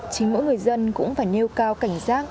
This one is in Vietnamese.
chính mỗi người dân cũng phải nêu cao cảnh giác